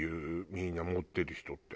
みんな持ってる人って。